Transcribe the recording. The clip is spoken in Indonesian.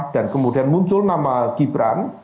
dan kemudian muncul nama gibran